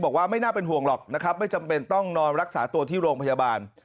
ไม่น่าเป็นห่วงหรอกนะครับไม่จำเป็นต้องนอนรักษาตัวที่โรงพยาบาล